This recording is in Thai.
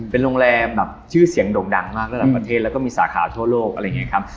เป็นโรงแรมแบบชื่อเสียงโด่งดังมากระดับประเทศแล้วก็มีสาขาทั่วโลกอะไรอย่างนี้ครับ